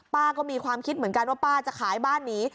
ป้าก็มีความคิดเหมือนกันว่าป้าจะขายบ้านหนี